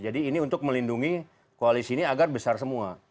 jadi ini untuk melindungi koalisi ini agar besar semua